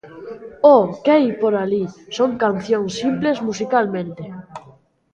O que hai por alí son cancións simples musicalmente.